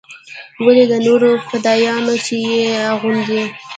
ولې دا نور فدايان چې يې اغوندي.